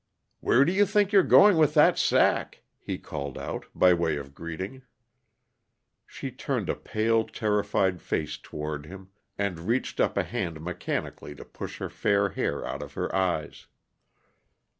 "Where do you think you're going with that sack?" he called out, by way of greeting. She turned a pale, terrified face toward him, and reached up a hand mechanically to push her fair hair out of her eyes.